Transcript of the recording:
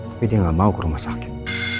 tapi dia nggak mau ke rumah sakit